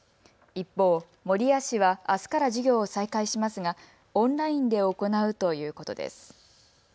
一方、守谷市はあすから授業を再開しますがオンラインで行うということです。